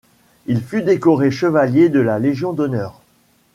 Il fut décoré Chevalier de la légion d'honneur.